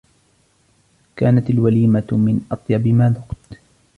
كانت الوليمة من أطيب ما ذقت.